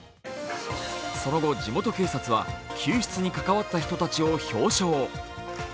その後、地元警察は救出にかかわった人たちを表彰。